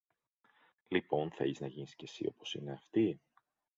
Λοιπόν, θέλεις να γίνεις και συ όπως είναι αυτοί;